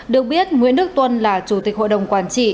được biết nguyễn đức tuân là chủ tịch hội đồng quản trị